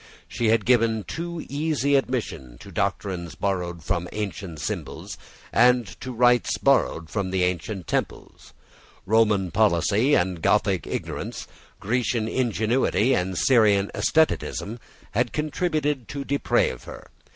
She had given a too easy admission to doctrines borrowed from the ancient schools, and to rites borrowed from the ancient temples. Roman policy and Gothic ignorance, Grecian ingenuity and Syrian asceticism, had contributed to deprave her.